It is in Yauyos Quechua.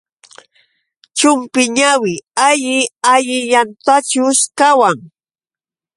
Chumpi ñawi alli allintachus qawan.